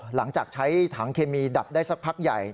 หลังจากใช้ถังเคมีดับได้สักพักใหญ่